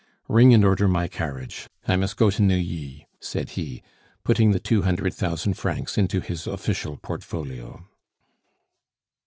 Ring and order my carriage. I must go to Neuilly," said he, putting the two hundred thousand francs into his official portfolio.